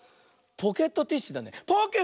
ポケットティッシュだね。